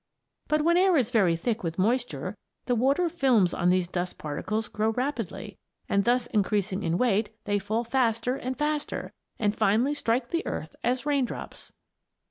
But when air is very thick with moisture the water films on these dust particles grow rapidly, and thus increasing in weight, they fall faster and faster, and finally strike the earth as raindrops.